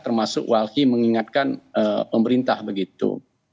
termasuk walhi mengingatkan pemerintah begitu